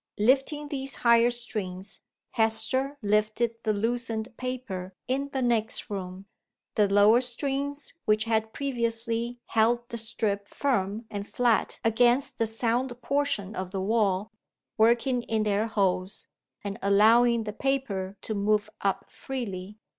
Lifting these higher strings, Hester lifted the loosened paper in the next room the lower strings, which had previously held the strip firm and flat against the sound portion of the wall, working in their holes, and allowing the paper to move up freely.